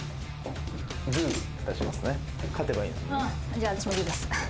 じゃあ私もグー出す。